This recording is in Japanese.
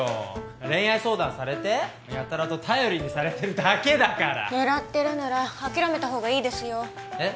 恋愛相談されてやたらと頼りにされてるだけだから狙ってるなら諦めたほうがいいですよえっ？